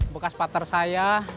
bekas pater saya